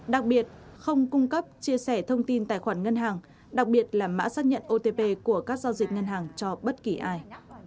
đặc biệt không cung cấp chia sẻ thông tin tài khoản ngân hàng đặc biệt là mã xác nhận otp của các giao dịch ngân hàng cho bất kỳ ai